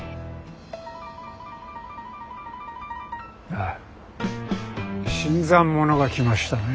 ああ新参者が来ましたね。